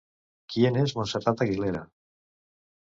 ¿Quién es Montserrat Aguilera?